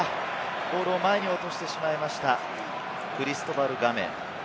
ボールを前に落としてしまいました、クリストバル・ガメ。